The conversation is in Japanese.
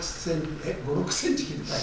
えっ、５、６センチ切りたい？